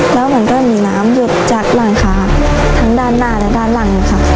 แล้วมันก็มีน้ำหยดจากหลังคาทั้งด้านหน้าและด้านหลังค่ะ